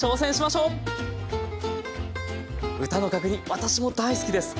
私も大好きです。